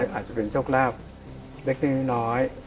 อาจจะเป็นโชคราบเล็กนิ้วน้อย